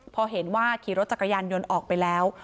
พอเห็นว่าขี่รถจักรยานยนต์ออกไปแล้ว